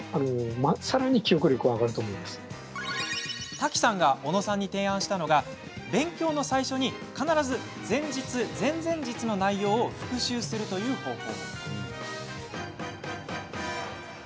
瀧さんが小野さんに提案したのが勉強の最初に必ず前日、前々日の内容を復習するという方法。